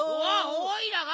おいらが！